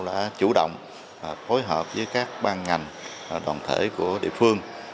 đã chủ động phối hợp với các ban ngành đoàn thể của địa phương